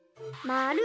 まる。